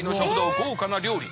豪華な料理。